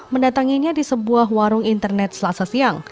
mendatanginya di sebuah warung internet selasa siang